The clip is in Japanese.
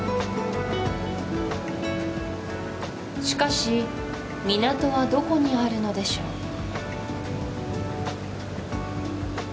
しかし港はどこにあるのでしょう？